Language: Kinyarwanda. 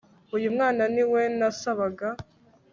uyu mwana ni we nasabaga